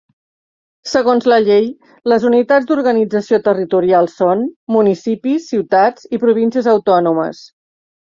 Segons la llei, les unitats d'organització territorial són: municipis, ciutats i províncies autònomes.